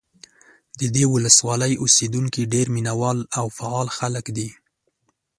د دې ولسوالۍ اوسېدونکي ډېر مینه وال او فعال خلک دي.